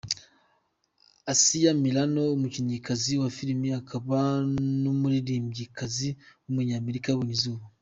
Alyssa Milano, umukinnyikazi wa filime akaba n’umuririmbyikazi w’umunyamerika yabonye izuba.